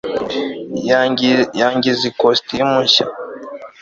yangize ikositimu nshya